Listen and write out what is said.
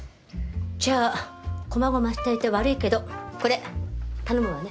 じゃあこまごましていて悪いけどこれ頼むわね。